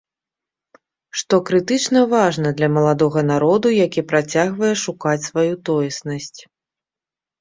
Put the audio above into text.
Што крытычна важна для маладога народу, які працягвае шукаць сваю тоеснасць.